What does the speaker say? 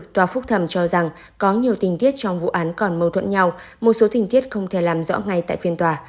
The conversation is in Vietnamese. tòa phúc thẩm cho rằng có nhiều tình tiết trong vụ án còn mâu thuẫn nhau một số tình tiết không thể làm rõ ngay tại phiên tòa